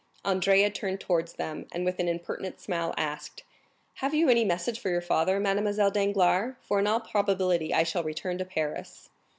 Andrea turned towards them, and with an impertinent smile asked, "Have you any message for your father, Mademoiselle Danglars, for in all probability I shall return to Paris?"